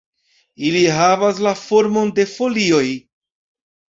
Ili havas la formon de folioj.